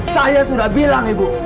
saya sudah bilang ibu